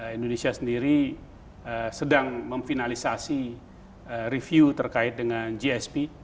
indonesia sendiri sedang memfinalisasi review terkait dengan gsp